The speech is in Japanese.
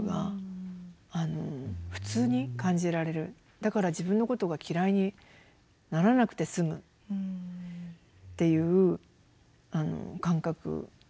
だから自分のことが嫌いにならなくて済むっていう感覚です。